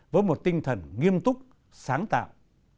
với một tinh thần nghiêm túc sáng tạo